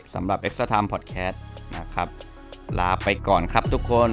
เอ็กซาทามพอดแคสนะครับลาไปก่อนครับทุกคน